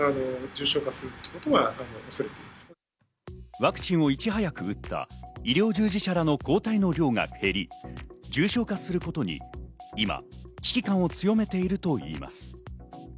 ワクチンをいち早く打った医療従事者らの抗体の量が減り、重症化することに今、危機感を強めているといいます。